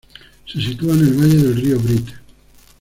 Se sitúa en el valle del río Brit.